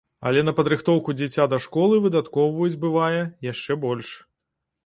Але на падрыхтоўку дзіця да школы выдаткоўваюць, бывае, яшчэ больш.